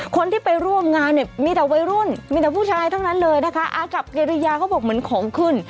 คนที่ไปร่วมงานเนี่ยมีแต่วัยรุ่นมีแต่ผู้ชายทั้งนั้นเลยนะคะอากับกิริยาเขาบอกเหมือนของขึ้น